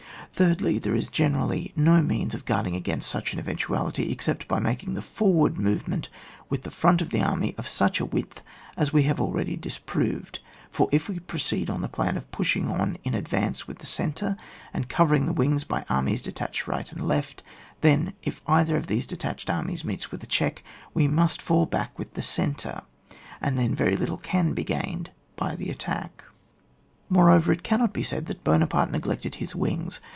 Thirdly, there is generally no means of guarding against such an even tuality except by making the forward movement with Uie front of the army of such a width as we have already dis approved ; for if we proceed on the plan of pushing on in advance with the centre and covering the wings by armies de tached right and left, then if either of these detached armies meets with a check, we must fall back with the centre, and then very little can be gained by the attack. Moreover, it cannot be said that Buona parte neglected his wings.